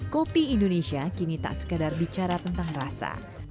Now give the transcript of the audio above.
kopi indonesia kini tak sekadar bicara tentang rasa